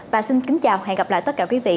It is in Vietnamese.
và xin kính chào và hẹn gặp lại tất cả quý vị